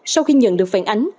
sau khi nhận được phản ánh